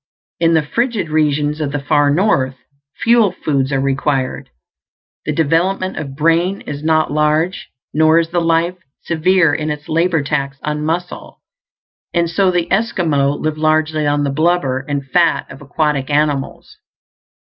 In the frigid regions of the far North, fuel foods are required. The development of brain is not large, nor is the life severe in its labor tax on muscle; and so the Esquimaux live largely on the blubber and fat of aquatic animals.